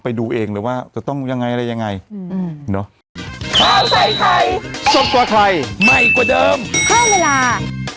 ไปดูเองเลยว่าจะต้องยังไงอะไรยังไงอืมอืมเนอะ